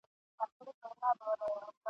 د ښو څخه ښه زېږي د بدو څخه واښه !.